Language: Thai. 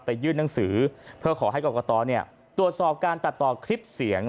ยื่นหนังสือเพื่อขอให้กรกตตรวจสอบการตัดต่อคลิปเสียง